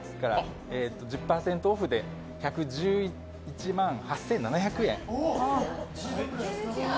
１０％オフで１１１万８７００円。